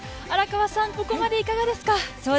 荒川さん、ここまでいかがですか？